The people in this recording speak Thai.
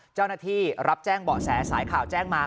เจ้าหน้าที่รับแจ้งเบาะแสสายข่าวแจ้งมา